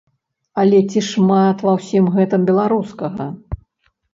Але ці шмат ва ўсім гэтым беларускага?